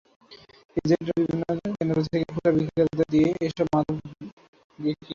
এজেন্টরা বিভিন্ন কেন্দ্র থেকে খুচরা বিক্রেতাদের দিয়ে এসব মাদক বিক্রি করায়।